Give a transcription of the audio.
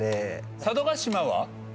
佐渡島は？